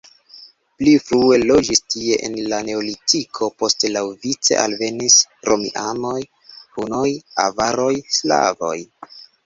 Pli frue loĝis tie en la neolitiko, poste laŭvice alvenis romianoj, hunoj, avaroj, slavoj.